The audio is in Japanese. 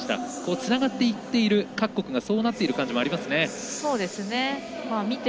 つながっていている各国がそうなってる感じがします。